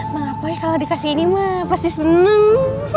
mang apoi kalo dikasih ini mak pasti seneng